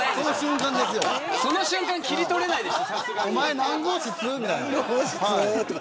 その瞬間切り取れないでしょ。